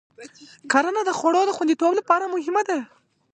کرنه د خوړو د خوندیتوب لپاره مهمه ده.